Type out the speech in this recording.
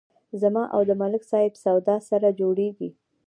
زما او د ملک صاحب سودا سره جوړیږي.